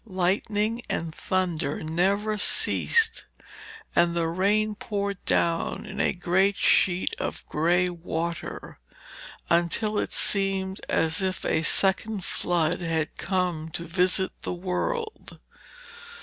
Lightning and thunder never ceased, and the rain poured down in a great sheet of grey water, until it seemed as if a second flood had come to visit the world.